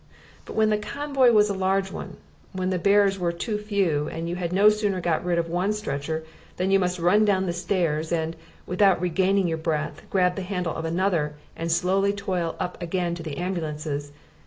But when the convoy was a large one, when the bearers were too few and you had no sooner got rid of one stretcher than you must run down the stairs and, without regaining your breath, grab the handle of another and slowly toil up again to the ambulances